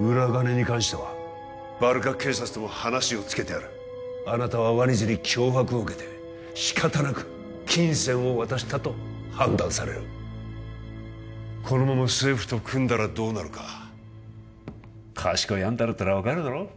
裏金に関してはバルカ警察とも話をつけてあるあなたはワニズに脅迫を受けて仕方なく金銭を渡したと判断されるこのまま政府と組んだらどうなるか賢いあんただったら分かるだろ？